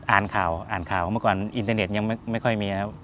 อ่านข่าวอ่านข่าวมาก่อนอินเทอร์เน็ตยังไม่ค่อยมี